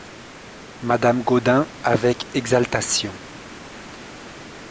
Madame Gaudin avec exaltation.